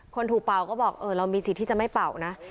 คนถูกเป่าก็บอกเออเรามีสิทธิ์ที่จะไม่เป่านะ